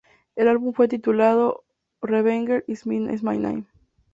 El álbum fue titulado "Revenge Is My Name".